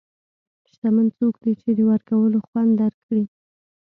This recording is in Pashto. شتمن څوک دی چې د ورکولو خوند درک کړي.